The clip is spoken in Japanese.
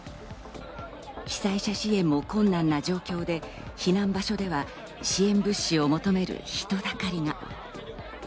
被災者支援も困難な状況で避難場所では支援物資を求める人だかりが。